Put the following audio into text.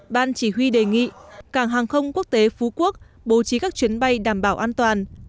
ban chỉ huy đề nghị cảng hàng không quốc tế phú quốc bố trí các chuyến bay đảm bảo an toàn